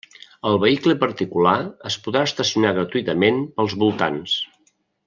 El vehicle particular es podrà estacionar gratuïtament pels voltants.